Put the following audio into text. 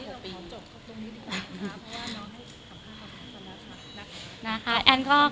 พยายามรับได้ตรงนั้นไหมคะ